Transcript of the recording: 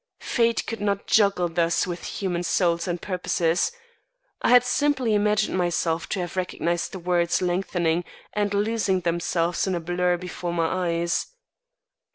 Fate could not juggle thus with human souls and purposes. I had simply imagined myself to have recognised the words lengthening and losing themselves in a blur before my eyes.